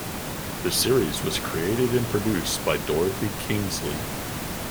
The series was created and produced by Dorothy Kingsley.